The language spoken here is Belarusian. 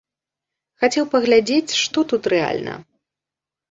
Хацеў паглядзець, што тут рэальна.